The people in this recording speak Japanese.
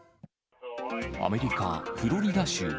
アメリカ・フロリダ州。